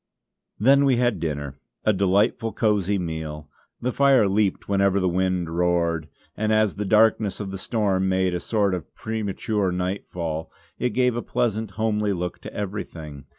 Then we had dinner; a delightful, cosy meal. The fire leaped whenever the wind roared; and as the darkness of the storm made a sort of premature nightfall, it gave a pleasant, homely look to everything.